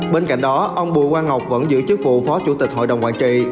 bên cạnh đó ông bùi quang ngọc vẫn giữ chức vụ phó chủ tịch hội đồng quản trị